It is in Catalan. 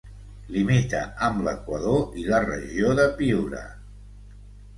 Limita amb l'Equador i la Regió de Piura.